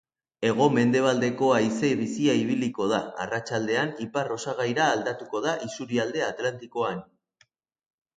Hego-mendebaldeko haize bizia ibiliko da, arratsaldean ipar-osagaira aldatuko da isurialde atlantikoan.